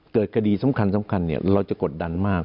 เกิดคดีสำคัญเราจะกดดันมาก